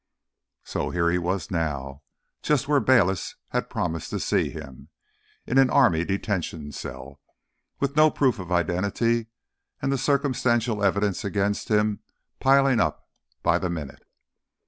So here he was now—just where Bayliss had promised to see him—in an army detention cell, with no proof of identity and the circumstantial evidence against him piling up by the minute.